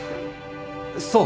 そう！